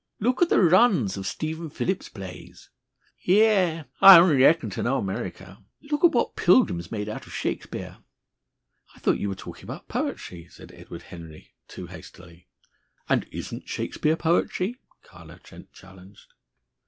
"Look at the runs of Stephen Phillips's plays!" "Yes.... I only reckon to know America." "Look at what Pilgrim's made out of Shakespeare." "I thought you were talking about poetry," said Edward Henry too hastily. "And isn't Shakespeare poetry?" Carlo Trent challenged.